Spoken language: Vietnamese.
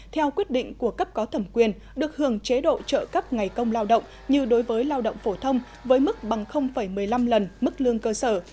theo quyết định của cấp có thẩm quyền được hưởng chế độ trợ cấp ngày công lao động như đối với lao động phổ thông với mức bằng một mươi năm lần mức lương cơ sở